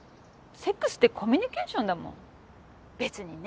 セックスってコミュニケーションだもん別にね